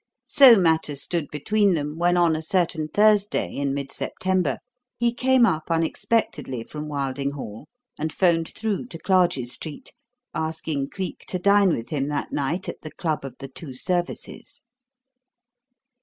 So matters stood between them when on a certain Thursday in mid September he came up unexpectedly from Wilding Hall and 'phoned through to Clarges Street, asking Cleek to dine with him that night at the Club of the Two Services.